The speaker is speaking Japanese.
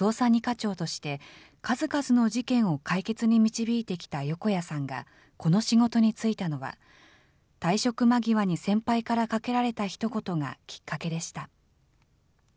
長として、数々の事件を解決に導いてきた横家さんがこの仕事に就いたのは、退職間際に先輩からかけられたひと言がきっかけでした。